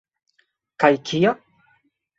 Kaj kia?